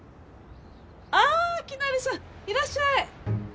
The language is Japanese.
あきなりさんいらっしゃい。